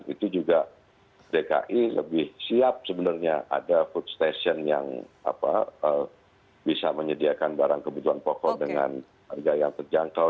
itu juga dki lebih siap sebenarnya ada food station yang bisa menyediakan barang kebutuhan pokok dengan harga yang terjangkau